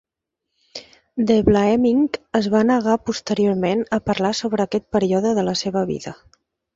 De Vlaeminck es va negar posteriorment a parlar sobre aquest període de la seva vida.